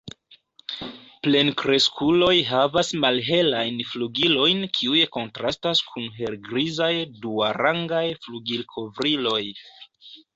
Plenkreskuloj havas malhelajn flugilojn kiuj kontrastas kun helgrizaj duarangaj flugilkovriloj.